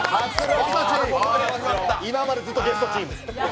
今までずっとゲストチーム。